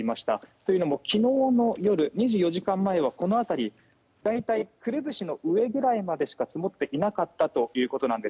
というのも昨日の夜２４時間前はこの辺り、大体くるぶしの上辺りまでしか積もっていなかったということなんです。